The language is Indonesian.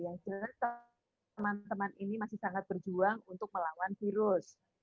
yang jelas teman teman ini masih sangat berjuang untuk melawan virus